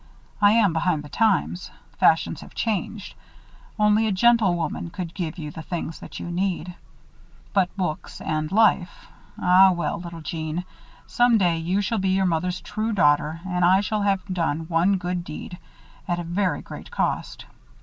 I am behind the times. Fashions have changed. Only a gentlewoman could give you the things that you need. But books and life Ah, well, little Jeanne, some day, you shall be your mother's true daughter and I shall have done one good deed at a very great cost.